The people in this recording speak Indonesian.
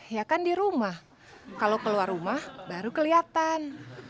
ya kan di rumah kalau keluar rumah baru kelihatan